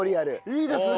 いいですね。